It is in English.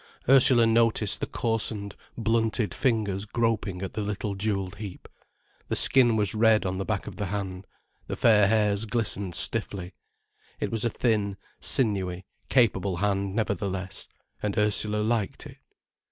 Ursula noticed the coarsened, blunted fingers groping at the little jewelled heap. The skin was red on the back of the hand, the fair hairs glistened stiffly. It was a thin, sinewy, capable hand nevertheless, and Ursula liked it.